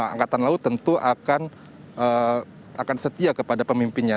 angkatan laut tentu akan setia kepada pemimpinnya